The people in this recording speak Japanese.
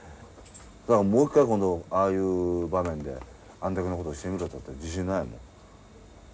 だからもう一回今度ああいう場面であんだけのことしてみろったって自信ないもん。